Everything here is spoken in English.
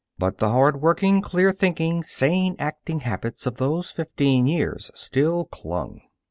But the hard working, clear thinking, sane acting habits of those fifteen years still clung.